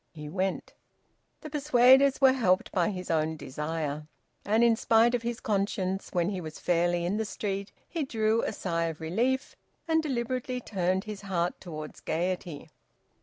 He went. The persuaders were helped by his own desire. And in spite of his conscience, when he was fairly in the street he drew a sigh of relief, and deliberately turned his heart towards gaiety.